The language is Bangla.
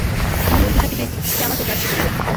তুমি মন্ত্রী থাকিতে সে আমাকে গ্রাহ্য করিবে!